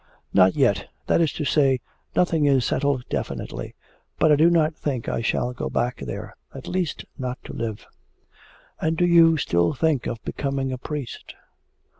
'Not yet that is to say, nothing is settled definitely; but I do not think I shall go back there, at least not to live.' 'And do you still think of becoming a priest?'